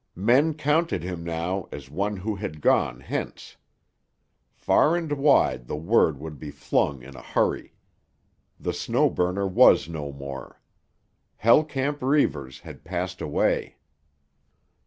Men counted him now as one who had gone hence. Far and wide the word would be flung in a hurry: the Snow Burner was no more; Hell Camp Reivers had passed away.